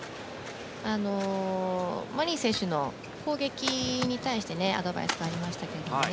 マリン選手の攻撃に対してアドバイスがありましたけどね。